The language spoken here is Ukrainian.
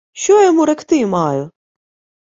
— Що йому ректи маю?